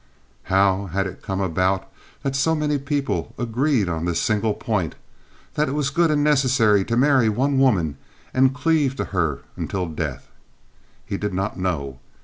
How had it come about that so many people agreed on this single point, that it was good and necessary to marry one woman and cleave to her until death? He did not know.